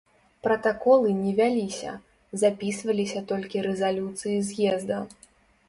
Пратаколы не вяліся, запісваліся толькі рэзалюцыі з'езда.